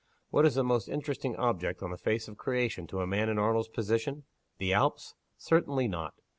What is the most interesting object on the face of creation to a man in Arnold's position? The Alps? Certainly not!